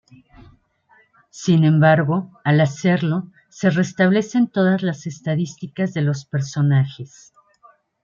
Sin embargo, al hacerlo se restablecen todas las estadísticas de los personajes.